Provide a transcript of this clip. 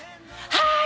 はい！